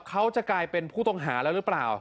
เขาจะกลายเป็นผู้ต้องหาแล้วหรือเปล่า